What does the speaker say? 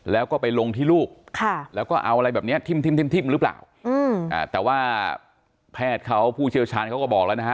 แล้วก็ไปลงที่รูปแล้วก็เอาอะไรแบบเนี้ยหึ่มแต่ว่าแพทย์เขาผู้เชื้อชรรค์เขาก็บอกแล้วนะนะฮะ